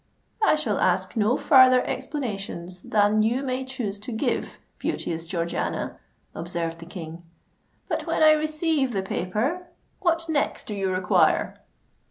"I shall ask no farther explanations than you may choose to give, beauteous Georgiana," observed the King. "But when I receive the paper, what next do you require?"